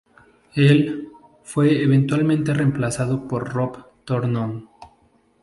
Él fue, eventualmente, reemplazado por Rob Thornton.